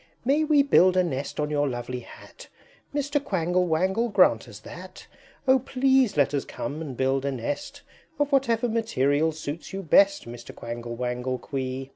May we build a nest on your lovely Hat? Mr. Quangle Wangle, grant us that! O please let us come and build a nest Of whatever material suits you best, Mr. Quangle Wangle Quee!"